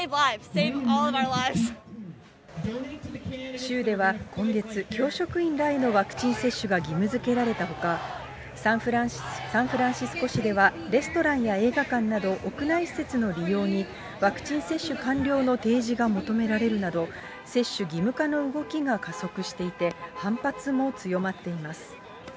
州では今月、教職員らへのワクチン接種が義務づけられたほか、サンフランシスコ市では、レストランや映画館など、屋内施設の利用に、ワクチン接種完了の提示が求められるなど、接種義務化の動きが加速していて、反発も強まっています。